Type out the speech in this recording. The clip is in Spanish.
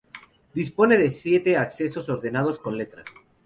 Dispone de siete accesos ordenados con letras.